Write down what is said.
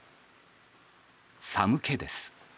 寒気です。